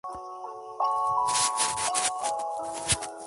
No es característica la atrofia marcada, sino moderada y secundaria al desuso.